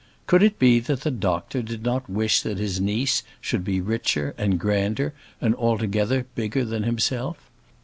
Could it be that the doctor did not wish that his niece should be richer, and grander, and altogether bigger than himself?